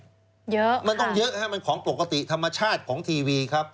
เยอะมันต้องเยอะฮะมันของปกติธรรมชาติของทีวีครับ